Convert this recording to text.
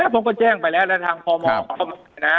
ผมก็แจ้งไปแล้วทางพม